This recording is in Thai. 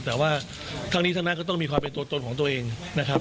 แต่ว่าทั้งนี้ทั้งนั้นก็ต้องมีความเป็นตัวตนของตัวเองนะครับ